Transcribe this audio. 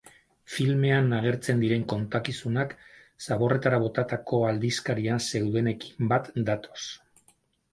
Filmean agertzen diren kontakizunak zaborretara botatako aldizkarian zeudenekin bat datoz.